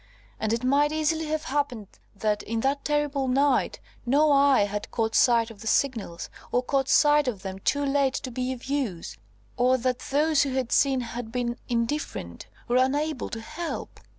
And it might easily have happened, that, in that terrible night, no eye had caught sight of the signals, or caught sight of them too late to be of use, or that those who had seen had been indifferent, or unable to help.